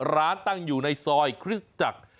ร้านตั้งอยู่ในซอยคริสตจักร